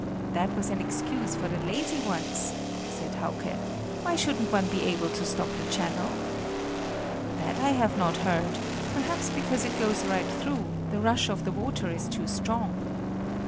"That was an excuse for the lazy ones!" said Hauke; "why shouldn't one be able to stop up the channel?" "That I have not heard; perhaps because it goes right through; the rush of the water is too strong."